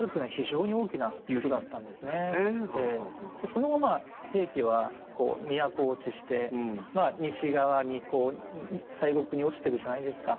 その後まあ平家は都落ちしてまあ西側に西国に落ちてくじゃないですか。